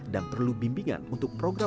dan perlu bimbingan untuk berpengalaman